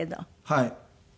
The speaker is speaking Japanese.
はい。